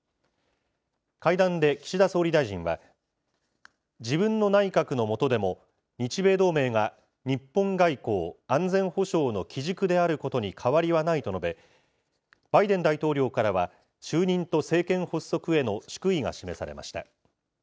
会談で岸田総理大臣は、自分の内閣の下でも、日米同盟が日本外交・安全保障の基軸であることに変わりはないと述べ、バイデン大統領からは、就任と政権発足への祝意が示されました。